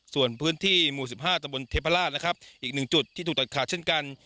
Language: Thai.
ส่วนพื้นที่หมู่๑๕จังหวังเทพราชอีกหนึ่งจุดที่ถูกตัดขาดเช่นกัน